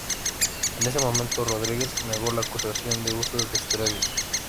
En ese momento, "Rodríguez" negó las acusaciones de uso de esteroides.